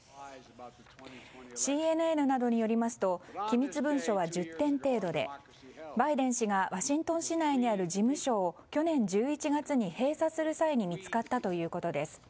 ＣＮＮなどによりますと機密文書は１０点程度でバイデン氏がワシントン市内にある事務所を去年１１月に閉鎖する際に見つかったということです。